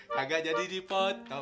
kagak jadi dipotong